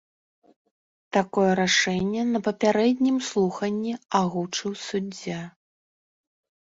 Такое рашэнне на папярэднім слуханні агучыў суддзя.